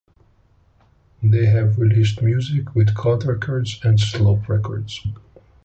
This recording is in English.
They have released music with Cult Records and Slope Records.